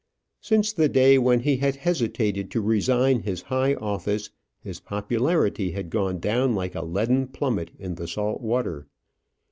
Since the day when he had hesitated to resign his high office, his popularity had gone down like a leaden plummet in the salt water.